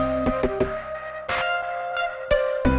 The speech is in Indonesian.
ya baik bu